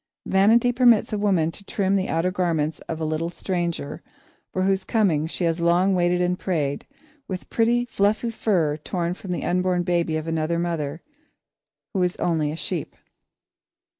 Vanity permits a woman to trim the outer garments of the little stranger for whose coming she has long waited and prayed, with pretty, fluffy fur torn from the unborn baby of another mother who is only a sheep.